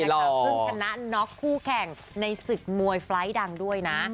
เพิ่งชนะน็อกคู่แข่งในศึกมวยไฟล์ทดังด้วยนะ